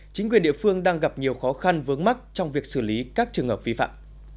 chính quyền địa phương đang gặp nhiều khó khăn vướng mắt trong việc xử lý các trường hợp vi phạm